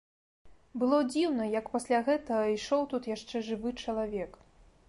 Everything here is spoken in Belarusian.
Было дзіўна, як пасля гэтага ішоў тут яшчэ жывы чалавек.